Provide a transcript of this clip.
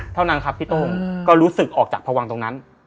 เท่านั้นครับพี่โต้งก็รู้สึกออกจากพวังตรงนั้น